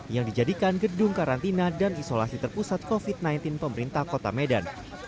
yang dijadikan gedung karantina dan isolasi terpusat covid sembilan belas pemerintah kota medan